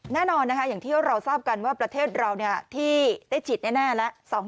แน่นอนนะคะอย่างที่เราทราบกันว่าประเทศเราที่ได้ฉีดแน่แล้ว